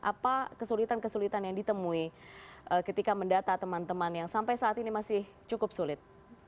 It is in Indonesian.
apa kesulitan kesulitan yang ditemui ketika mendata teman teman yang sampai saat ini masih cukup sulit